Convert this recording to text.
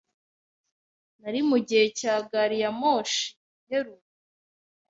Nari mugihe cya gari ya moshi iheruka.